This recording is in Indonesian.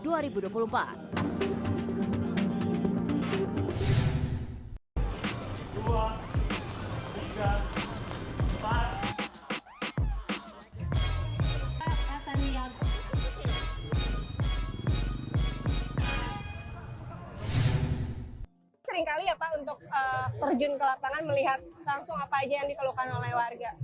seringkali ya pak untuk terjun ke lapangan melihat langsung apa aja yang ditelukan oleh warga